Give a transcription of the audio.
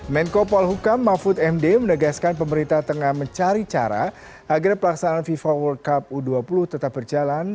menko polhukam mahfud md menegaskan pemerintah tengah mencari cara agar pelaksanaan fifa world cup u dua puluh tetap berjalan